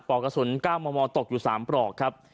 ปลอกกะสุนกล้ามมอตกอยู่๓ปลอกครับ